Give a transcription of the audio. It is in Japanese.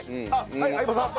はい相葉さん。